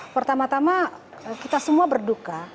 pertama tama kita semua berduka